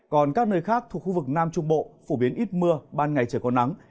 còn các nơi khác thuộc khu vực nam trung bộ phổ biến ít mưa ban ngày trời có nắng